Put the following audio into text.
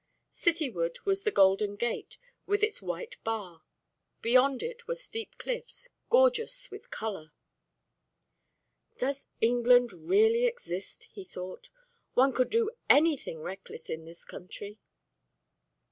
Cityward was the Golden Gate with its white bar. Beyond it were steep cliffs, gorgeous with colour. "Does England really exist?" he thought. "One could do anything reckless in this country."